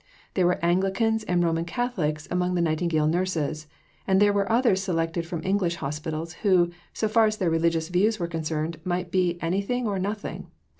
There were Anglicans and Roman Catholics among the Nightingale nurses, and there were others selected from English hospitals, who, so far as their religious views were concerned, might be anything or nothing.